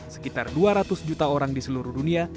sekitar dua ratus juta orang di seluruh dunia